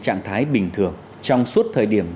trạng thái bình thường trong suốt thời điểm